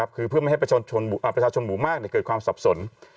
คือเพื่อไม่ให้ประชาชนหมู่มากเกิดความสับสน